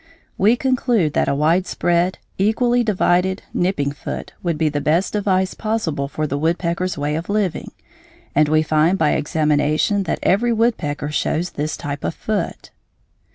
We conclude that a wide spread, equally divided, nipping foot would be the best device possible for the woodpecker's way of living, and we find by examination that every woodpecker shows this type of foot.